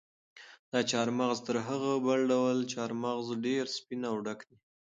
دا چهارمغز تر هغه بل ډول چهارمغز ډېر سپین او ډک دي.